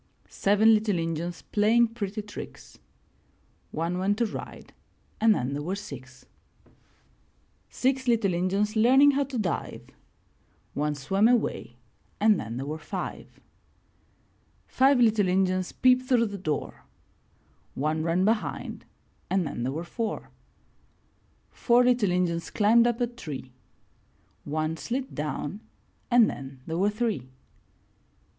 Seven little Injuns playing pretty tricks — One went to ride and then there were six. Six little Injuns learning how to dive — One swam away and then there were five. Five little Injuns peeped through the door — One ran behind and then there were four. Four little Injuns climbed up a tree — One slid down and then there were three.